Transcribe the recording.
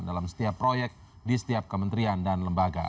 dalam setiap proyek di setiap kementerian dan lembaga